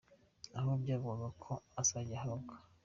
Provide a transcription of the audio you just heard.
aho byavugwaga ko azajya ahabwa